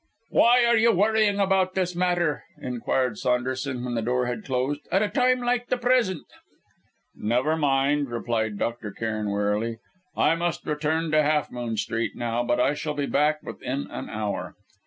"Why are you worrying about this matter," inquired Saunderson, when the door had closed, "at a time like the present?" "Never mind," replied Dr. Cairn wearily. "I must return to Half Moon Street, now, but I shall be back within an hour."